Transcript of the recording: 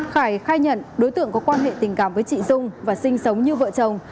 khải khai nhận đối tượng có quan hệ tình cảm với chị dung và sinh sống như vợ chồng